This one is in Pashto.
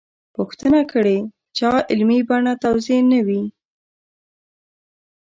پوښتنه کړې چا علمي بڼه توضیح نه وي.